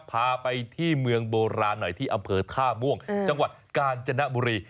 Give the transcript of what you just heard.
พาไปที่เมืองโบราณหน่อยที่อำเภอท่าม่วงจังหวัดกาญจนบุรี